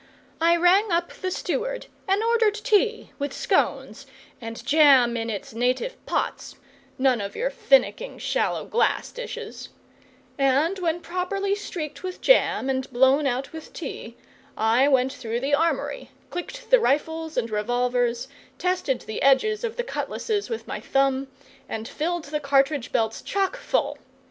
I rang up the steward and ordered tea, with scones, and jam in its native pots none of your finicking shallow glass dishes; and, when properly streaked with jam, and blown out with tea, I went through the armoury, clicked the rifles and revolvers, tested the edges of the cutlasses with my thumb, and filled the cartridge belts chock full.